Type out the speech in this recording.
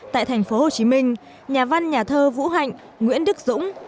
tại thành phố hồ chí minh nhà văn nhà thơ vũ hạnh nguyễn đức dũng